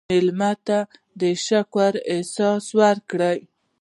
مېلمه ته د شکر احساس ورکړه.